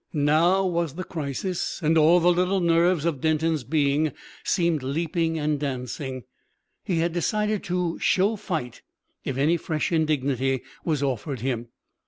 Now was the crisis, and all the little nerves of Denton's being seemed leaping and dancing. He had decided to show fight if any fresh indignity was offered him.